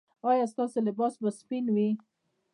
ایا ستاسو لباس به سپین وي؟